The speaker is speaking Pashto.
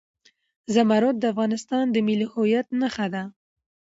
زمرد د افغانستان د ملي هویت نښه ده.